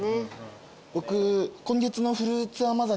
僕。